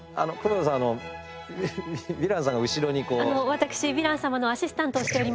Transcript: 私ヴィラン様のアシスタントをしております